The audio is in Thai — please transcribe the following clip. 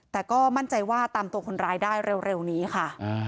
แต่ก็มั่นใจว่าตามตัวคนร้ายได้เร็วนี้ค่ะ